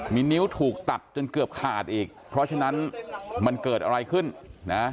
มีนิ้วถูกตัดจนเกือบขาดอีกเพราะฉะนั้นมันเกิดอะไรขึ้นนะ